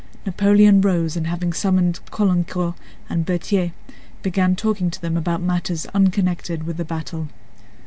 Napoleon rose and having summoned Caulaincourt and Berthier began talking to them about matters unconnected with the battle.